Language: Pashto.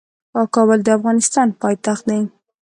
کابل د افغانستان پايتخت دي.